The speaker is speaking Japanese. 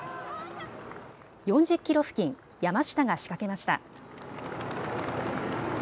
４０キロ付近、山下が仕掛けました。